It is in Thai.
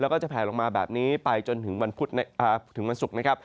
แล้วก็จะแผลลงมาแบบนี้ไปจนถึงวันศุกร์นะครับ